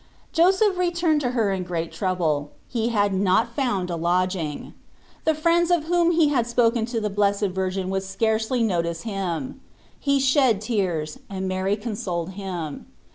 Joseph returned to her in great trouble : he had not found a lodging. The friends of whom he had spoken to the Blessed Virgin would scarcely notice him. He shed tears, and Mary consoled him.